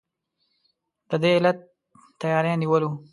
د دې علت تیاری نیول وو.